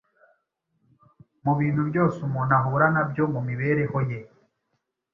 mu bintu byose umuntu ahura nabyo mu mibereho ye,